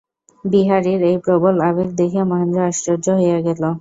বিহারীর এই প্রবল আবেগ দেখিয়া মহেন্দ্র আশ্চর্য হইয়া গেল।